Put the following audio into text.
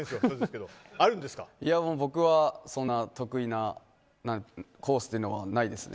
僕は、そんな得意なコースというのはないですね。